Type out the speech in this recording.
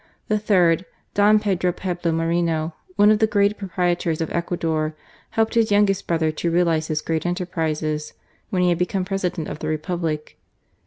The third, Don Pedro Pablo Moreno, one of the great pro prietors of Ecuador, helped his youngest brother to realize his great enterprises, when he had become President of the Republic.